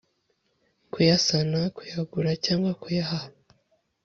Kuyasana kuyagura cyangwa kuyaha